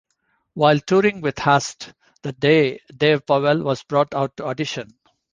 While touring with Haste the Day, Dave Powell was brought out to audition.